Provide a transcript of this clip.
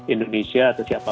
indonesia atau siapa saja